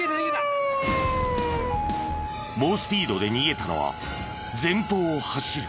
猛スピードで逃げたのは前方を走る。